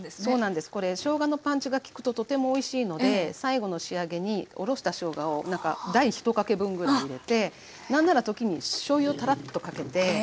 そうなんですこれしょうがのパンチが効くととてもおいしいので最後の仕上げにおろしたしょうがを大１かけ分ぐらい入れて何なら時にしょうゆをたらっとかけて。